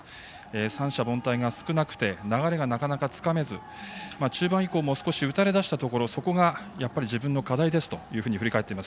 三者凡退が少なくて流れがなかなかつかめず中盤以降も少し打たれだしたところそこがやっぱり自分の課題ですと振り返っています。